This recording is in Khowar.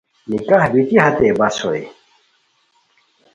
نکاح بیتی ہتئے بس ہوئے